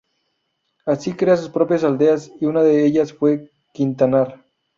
Así crea sus propias aldeas y una de ellas fue Quintanar.